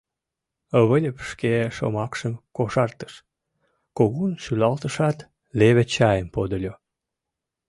Выльып шке шомакшым кошартыш, кугун шӱлалтышат, леве чайым подыльо.